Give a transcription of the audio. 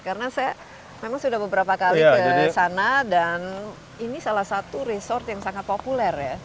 karena saya memang sudah beberapa kali ke sana dan ini salah satu resort yang sangat populer ya